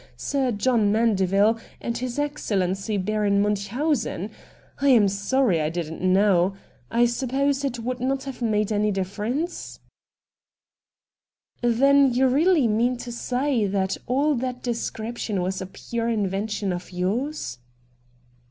Sir John Mandeville and his Excellency Baron Munchausen ! I am sorry I didn't now. I suppose it would not have made any dif ference ?' AN INTERVIEW WITH MR. RATT GUNDY 229 * Then do you really mean to say that all that description was a pure invention of yours